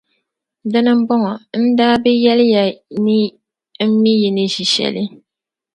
Di nibɔŋɔ, n daa bi yεli ya ni m mi yi ni ʒi shɛli?